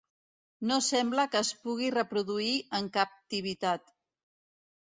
No sembla que es pugui reproduir en captivitat.